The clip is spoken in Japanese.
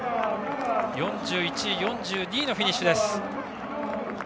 ４１位、４２位のフィニッシュです。